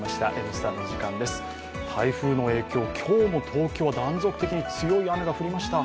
台風の影響、今日も東京は断続的に強い雨が降りました。